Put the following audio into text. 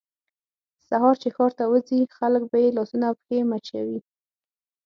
سهار چې ښار ته وځي خلک به یې لاسونه او پښې مچوي.